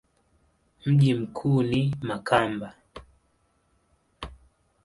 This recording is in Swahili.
Mji mkuu ni Makamba.